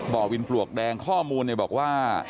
บ่อวินปลวกแดงข้อมูลบอกว่า